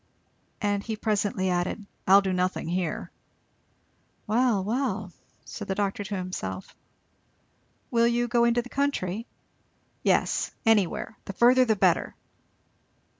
and he presently added, "I'll do nothing here." "Well, well," said the doctor to himself; "Will you go into the country?" "Yes! anywhere! the further the better."